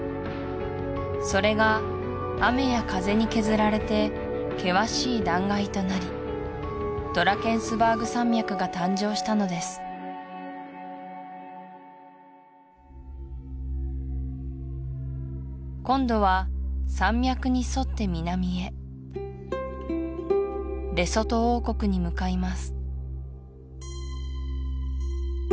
それが雨や風に削られて険しい断崖となりドラケンスバーグ山脈が誕生したのです今度は山脈に沿って南へレソト王国に向かいます